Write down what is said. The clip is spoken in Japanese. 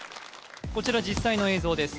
こちら実際の映像です